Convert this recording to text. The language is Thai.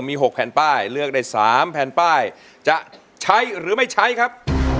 มี๖แผ่นป้ายเลือกได้๓แผ่นป้ายจะใช้หรือไม่ใช้ครับ